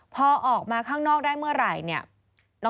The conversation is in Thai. พอออกมาข้างนอกได้เมื่อไหร่เนี่ย